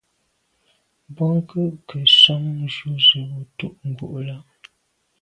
Bônke’ nke nson ju ze bo tù’ ngù là.